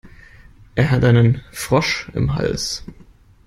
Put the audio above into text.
Er hat einen Frosch im Hals.